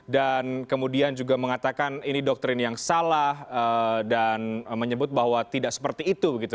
dan kemudian juga mengatakan ini doktrin yang salah dan menyebut bahwa tidak seperti itu gitu